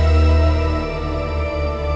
ke bewaga mereka